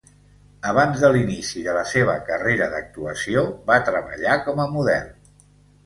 Abans de l'inici de la seva carrera d'actuació va treballar com a model.